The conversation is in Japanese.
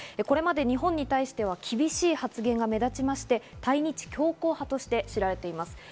これまで日本に対しては厳しい発言が目立ちまして、対日強硬派として知られています。